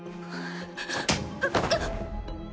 あっうっ！